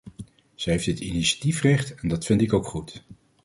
Zij heeft het initiatiefrecht, en dat vind ik ook goed.